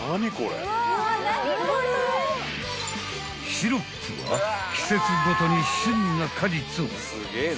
［シロップは季節ごとに旬な果実を］